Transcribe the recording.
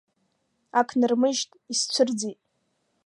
Ак нырмыжьт, исцәырӡеит.